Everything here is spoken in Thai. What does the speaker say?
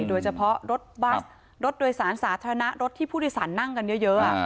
โดยเฉพาะรถบัสรถโดยสารสาธารณะรถที่ผู้โดยสารนั่งกันเยอะ